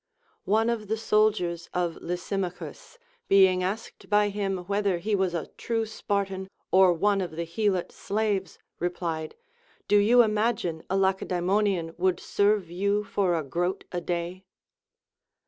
One of the soldiers of Lysimachus, being asked by him whether he was a true Spartan or one of the Helot slaves, replied, Do you imagine a Lacedaemonian would serve you for a groat a day